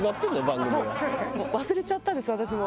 忘れちゃったんです私も。